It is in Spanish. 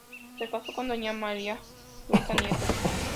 Se casó con doña María Luisa Nieto.